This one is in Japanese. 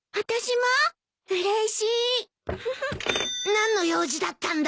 何の用事だったんだ？